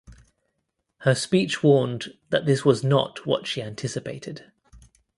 Her speech warned that this was not what she anticipated.